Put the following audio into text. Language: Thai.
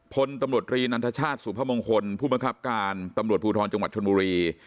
พลตำรวจรีนันทชาติสุพมงคลผู้บังคับการตำรวจภูทรจังหวัดชนบุรี